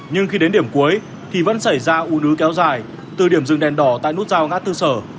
nhưng khi đến điểm cuối thì vẫn xảy ra u nứ kéo dài từ điểm dừng đèn đỏ tại nút giao ngã tư sở